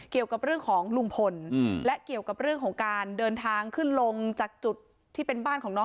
เกี่ยวกับเรื่องของลุงผล